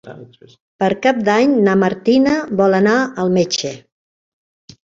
Per Cap d'Any na Martina vol anar al metge.